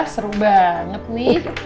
seru banget nih